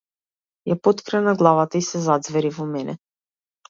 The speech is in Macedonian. Ја поткрена главата и се заѕвери во мене.